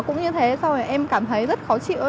cũng như thế rồi em cảm thấy rất khó chịu